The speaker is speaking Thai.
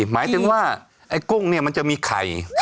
หมายถึงว่าไอ้กุ้งเนี่ยมันจะมีไข่